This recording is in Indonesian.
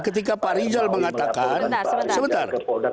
ketika pak rizal mengatakan sebentar